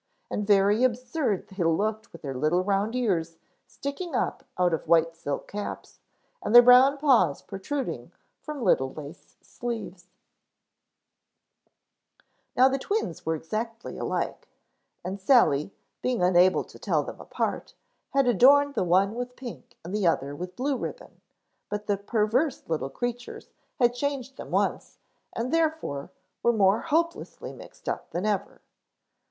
And very absurd they looked with their little round ears sticking up out of white silk caps, and their brown paws protruding from little lace sleeves. Now the twins were exactly alike and Sally, being unable to tell them apart, had adorned the one with a pink and the other with blue ribbon; but the perverse little creatures had changed them once, and therefore were more hopelessly mixed up than ever.